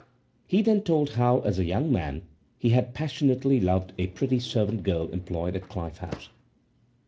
He then told how, as a young man, he had passionately loved a pretty servant girl employed at Clyffe House.